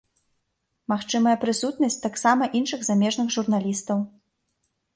Магчымая прысутнасць таксама іншых замежных журналістаў.